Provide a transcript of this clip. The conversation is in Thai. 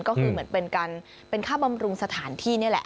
ก็คือเหมือนเป็นการเป็นค่าบำรุงสถานที่นี่แหละ